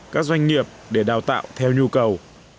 các doanh nghiệp để đào tạo theo nhu cầu